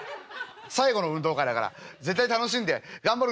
最後の運動会だから絶対楽しんで頑張るんだぞ」。